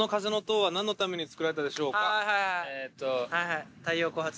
はい。